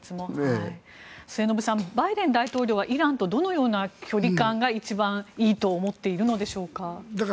末延さんバイデン大統領はイランとどのような距離感が一番いいと思っているのでしょうか。